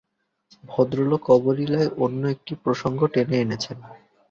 ভদ্রলোক অবলীলায় অন্য একটি প্রসঙ্গ টেনে এনেছেন।